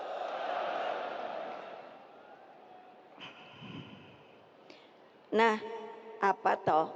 hai nah apa toh